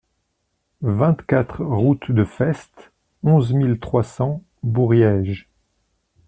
vingt-quatre route de Festes, onze mille trois cents Bouriège